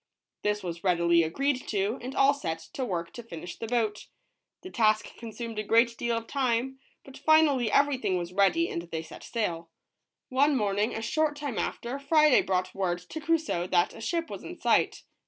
This was readily agreed to, and all set to work to finish the boat. The task consumed a great deal of time, but finally everything was ready and they set sail. One morning, a short time after, Friday brought word to Crusoe that a ship was in sight.